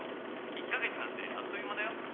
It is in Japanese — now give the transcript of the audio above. １か月なんてあっという間だよ。